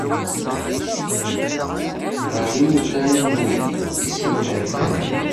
Ɣer yimukan nni i sen-theggaḍ.